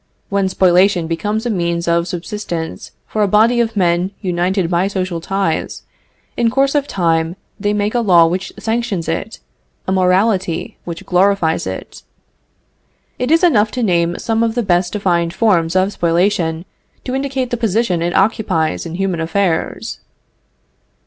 When spoliation becomes a means of subsistence for a body of men united by social ties, in course of time they make a law which sanctions it, a morality which glorifies it. It is enough to name some of the best defined forms of spoliation to indicate the position it occupies in human affairs.